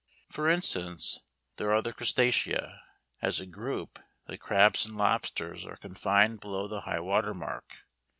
For instance, there are the Crustacea. As a group the crabs and lobsters are confined below the high water mark.